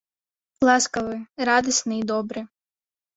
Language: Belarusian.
Ласкавы, радасны і добры.